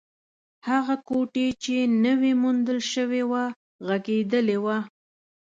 هغه کوټې چې نوې موندل شوې وه، غږېدلې وه.